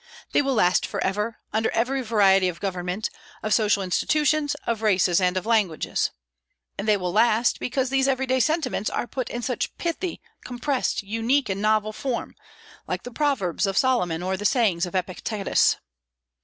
They will last forever, under every variety of government, of social institutions, of races, and of languages. And they will last because these every day sentiments are put in such pithy, compressed, unique, and novel form, like the Proverbs of Solomon or the sayings of Epictetus.